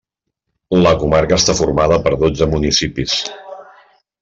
La comarca està formada per dotze municipis.